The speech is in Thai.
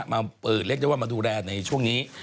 มาเปิดเรียกจะว่ามาดูแลในช่วงนี้